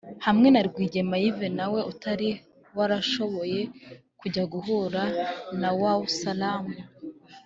hamwe na Rwigema Yves na we utari warashoboye kujya guhura na Wau Salaam